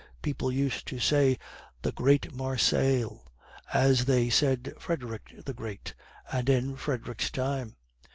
People used to say 'the Great Marcel,' as they said 'Frederick the Great,' and in Frederick's time."